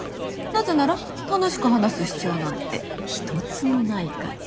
なぜなら楽しく話す必要なんて一つもないから。